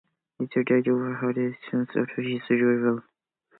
Richards died of a heart attack soon after his arrival.